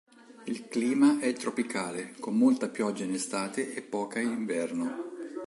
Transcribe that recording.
Il clima è tropicale, con molta pioggia in estate e poca in inverno.